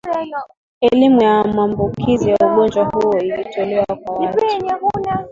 elimu ya maambukizi ya ugonjwa huo ilitolewa kwa watu